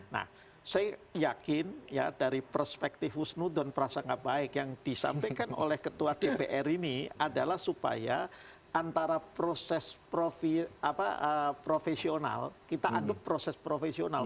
nah saya yakin ya dari perspektif husnu dan prasangka baik yang disampaikan oleh ketua dpr ini adalah supaya antara proses profesional kita anggap proses profesional